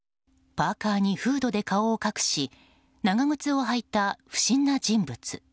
パーカにフードで顔を隠し長靴を履いた不審な人物。